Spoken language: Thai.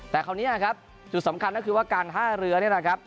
แต่คราวนี้ครับจุดสำคัญก็คือว่าการท่าเรือนี่แหละครับ